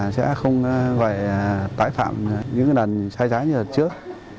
sẽ không gọi tái phạm những lần sai trái như lần trước